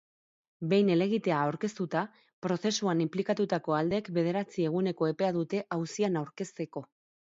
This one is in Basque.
Behin helegitea aurkeztuta, prozesuan inplikatutako aldeek bederatzi eguneko epea dute auzian aurkezteko.